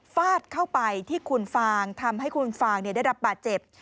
ฟาดเข้าไปที่คุณฟางทำให้คุณฟางได้รับบาดเจ็บ